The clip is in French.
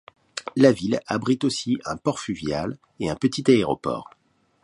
La ville abrite aussi un port fluvial et un petit aéroport.